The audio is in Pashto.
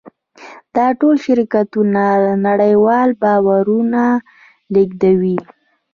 دا ټول شرکتونه نړیوال بارونه لېږدوي.